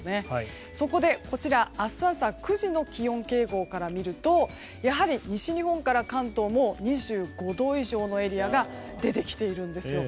そこで、明日朝９時の気温傾向から見るとやはり西日本から関東も２５度以上のエリアが出てきているんです。